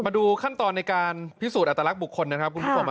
มาดูขั้นตอนในการพิสูจน์อัตลักษณ์บุคคลนะครับคุณผู้ชม